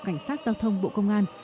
cảnh sát giao thông bộ công an